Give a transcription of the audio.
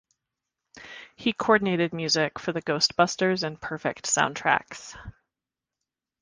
He coordinated music for the "Ghostbusters" and "Perfect" soundtracks.